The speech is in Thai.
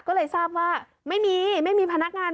ก็เลยทราบว่าไม่มีไม่มีพนักงาน